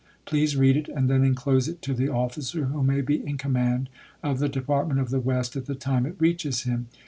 Please read it, and then inclose it to the officer who may be in command of the Depart ment of the West at the time it reaches him.